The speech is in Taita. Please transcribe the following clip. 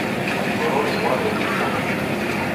Mtorori ghwaw'ew'ikwa.